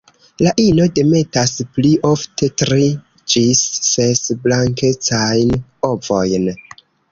La ino demetas pli ofte tri ĝis ses blankecajn ovojn.